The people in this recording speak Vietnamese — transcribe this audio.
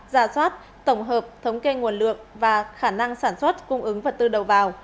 ra soát tổng hợp thống kê nguồn lượng và khả năng sản xuất cung ứng vật tư đầu vào